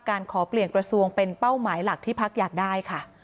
ขอเปลี่ยนกระทรวงเป็นเป้าหมายหลักที่พักอยากได้ค่ะ